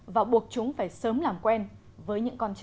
và buộc chúng phải sớm làm quen với những con trẻ